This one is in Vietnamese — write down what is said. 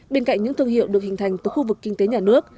bên cạnh những thương hiệu được hình thành từ khu vực kinh tế nhà nước